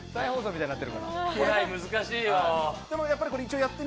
これ難しいよ。